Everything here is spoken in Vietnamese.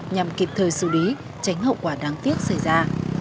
nhằm kịp thời xử lý tránh hậu quả đáng tiếc xảy ra